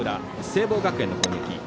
聖望学園の攻撃。